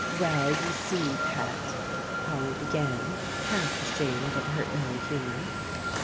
"Well, you see, pet," Polly began, half ashamed of her ill humor.